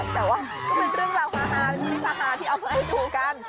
แต่ว่าก็เป็นเรื่องราวฮาชนิดฮาที่เอามาให้ดูกัน